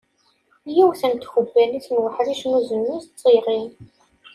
Yiwet n tkebannit n uḥric n uznuzu d tiɣin.